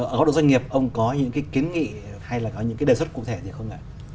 ở đội doanh nghiệp ông có những kiến nghị hay là có những đề xuất cụ thể gì không ạ